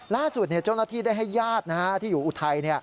ล่าสุดเจ้าหน้าที่ได้ให้ญาติที่อยู่อุทัย